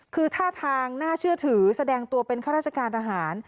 คือท่าทางน่าเชื่อถือแสดงตัวเป็นข้าราชการทหาร